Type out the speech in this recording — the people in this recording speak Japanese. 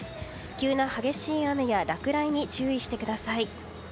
急な激しい雨や落雷に注意してください。